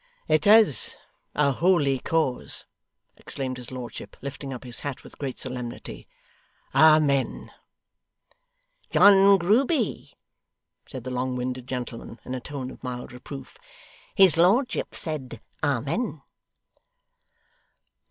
'It IS a holy cause,' exclaimed his lordship, lifting up his hat with great solemnity. 'Amen.' 'John Grueby,' said the long winded gentleman, in a tone of mild reproof, 'his lordship said Amen.